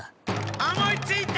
思いついた！